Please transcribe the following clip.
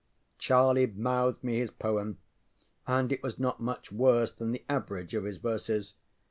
ŌĆØ Charlie mouthed me his poem, and it was not much worse than the average of his verses.